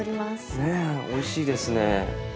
ねえおいしいですね。